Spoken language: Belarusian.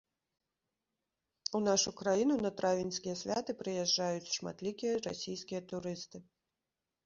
У нашу краіну на травеньскія святы прыязджаюць шматлікія расійскія турысты.